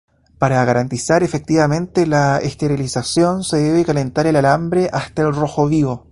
Para garantizar efectivamente la esterilización se debe calentar el alambre hasta el rojo vivo.